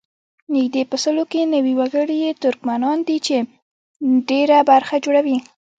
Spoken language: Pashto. نږدې په سلو کې نوي وګړي یې ترکمنان دي چې ډېره برخه جوړوي.